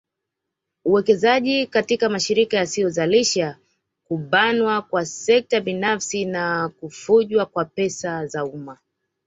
uwekezaji katika mashirika yasiyozalisha kubanwa kwa sekta binafsi na kufujwa kwa pesa za umma